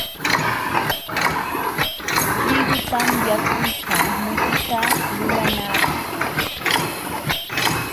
Trigutam yakuykaa mutita lulanaapaq.